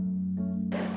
sila udah berani